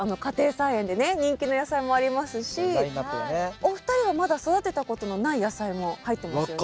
お二人はまだ育てたことのない野菜も入ってますよね。